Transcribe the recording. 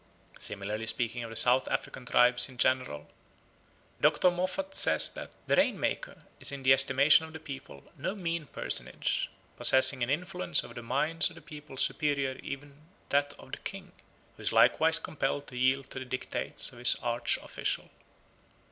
Similarly speaking of the South African tribes in general, Dr. Moffat says that "the rain maker is in the estimation of the people no mean personage, possessing an influence over the minds of the people superior even to that of the king, who is likewise compelled to yield to the dictates of this arch official."